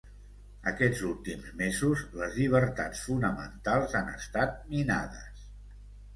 Aquests últims mesos, les llibertats fonamentals han estat minades.